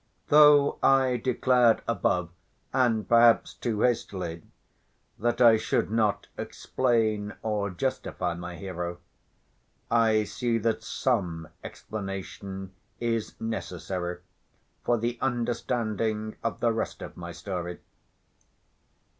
Though I declared above, and perhaps too hastily, that I should not explain or justify my hero, I see that some explanation is necessary for the understanding of the rest of my story.